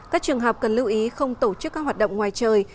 các trường học cần lưu ý không tổ chức các hoạt động ngoài trời